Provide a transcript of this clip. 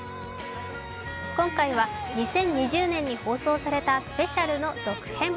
今回は２０２０年に放送されたスペシャルの続編。